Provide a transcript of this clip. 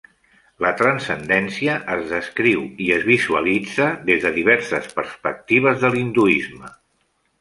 La transcendència es descriu i es visualitza des de diverses perspectives de l'hinduisme.